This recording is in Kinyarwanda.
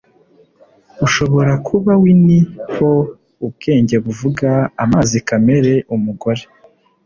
ushobora kuba winnie pooh ubwenge buvuga amazi kamere umugore